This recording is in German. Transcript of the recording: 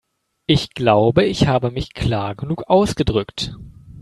Ich glaube, ich habe mich klar genug ausgedrückt.